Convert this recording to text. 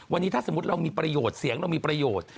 วันนี้ถ้าสมมุติเรามีประโยชน์เสียงเรามีประโยชน์